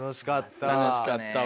楽しかった。